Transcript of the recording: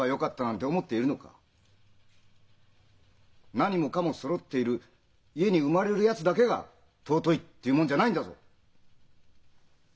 何もかもそろっている家に生まれるやつだけが尊いっていうもんじゃないんだぞ。